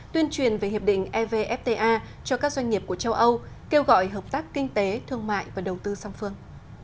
tuyên truyền về hiệp định evfta cho các doanh nghiệp của châu âu kêu gọi hợp tác kinh tế thương mại và đầu tư song phương